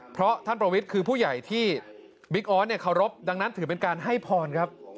เพราะท่านประวิทย์คือผู้ใหญ่ที่บิ๊กออสเนี่ยเคารพดังนั้นถือเป็นการให้พรครับ